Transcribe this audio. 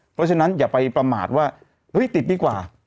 เพราะฉะนั้นอย่าไปประมาทว่าเฮ้ยติดดีกว่า